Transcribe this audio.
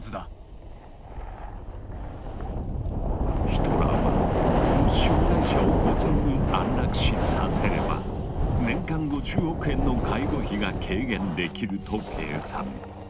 ヒトラーはもし障害者を５，０００人安楽死させれば年間５０億円の介護費が軽減できると計算。